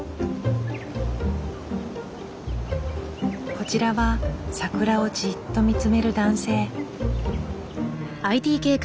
こちらは桜をじっと見つめる男性。